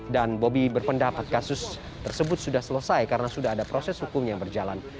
dan bobby berpendapat kasus tersebut sudah selesai karena sudah ada proses hukum yang berjalan